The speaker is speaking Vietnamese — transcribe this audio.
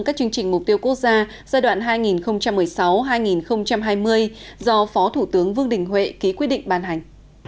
các chương trình mục tiêu quốc gia giai đoạn hai nghìn một mươi sáu hai nghìn hai mươi do phó thủ tướng vương đình huệ ký quyết định ban hành